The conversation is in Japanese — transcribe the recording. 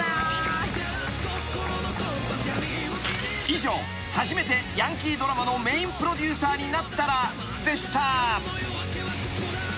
［以上「初めてヤンキードラマのメインプロデューサーになったら」でした］